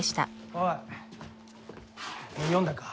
おい読んだか？